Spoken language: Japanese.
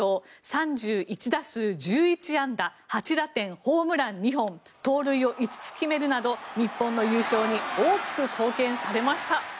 ３１打数１１安打８打点ホームラン２本盗塁を５つ決めるなど日本の優勝に大きく貢献されました。